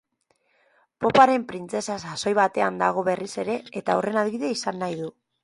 Poparen printzesa sasoi betean dago berriz ere eta horren adibide izan nahi du.